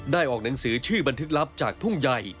ออกหนังสือชื่อบันทึกลับจากทุ่งใหญ่